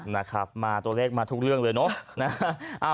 นะครับมาตัวเลขมาทุกเรื่องเลยเนอะ